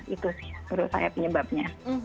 itu sih menurut saya penyebabnya